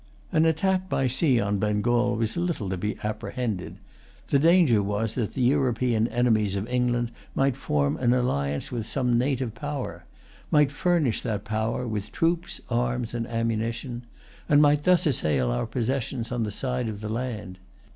An attack by sea on Bengal was little to be apprehended. The danger was that the European enemies of England might form an alliance with some native power, might furnish that power with troops, arms, and ammunition, and might thus assail our possessions on the side of the land.